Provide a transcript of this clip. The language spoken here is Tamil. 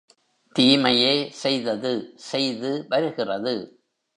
தீமையே செய்தது செய்துவருகிறது.